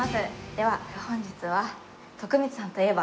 では本日は徳光さんといえば。